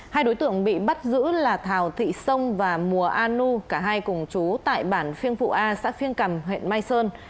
hai đối tượng bị bắt giữ là thảo thị sông và mùa an nu cả hai cùng chú tại bản phiên phụ a xã phiên cầm huyện mai sơn